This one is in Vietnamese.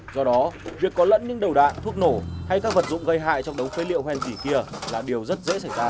do đó việc có lẫn những đầu đạn thuốc nổ hay các vật dụng gây hại trong đống phế liệu hen kỷ kia là điều rất dễ xảy ra